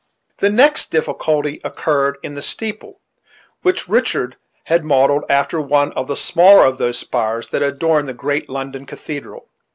The next difficulty occurred in the steeple, which Richard had modelled after one of the smaller of those spires that adorn the great London cathedral.